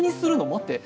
待って。